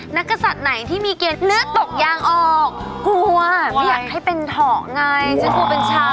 นักศัตริย์ไหนที่มีเกลียดเนื้อตกยางออกกลัวไม่อยากให้เป็นถ่อไงจะกลัวเป็นฉัน